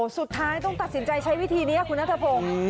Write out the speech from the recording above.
สุดท้ายต้องตัดสินใจใช้วิธีนี้คุณนัทพงศ์